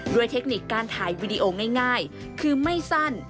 เทคนิคการถ่ายวีดีโอง่ายคือไม่สั้น